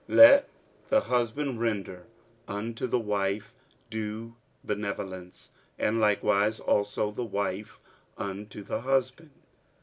46:007:003 Let the husband render unto the wife due benevolence: and likewise also the wife unto the husband.